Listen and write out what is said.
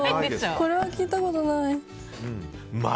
これは聞いたことない。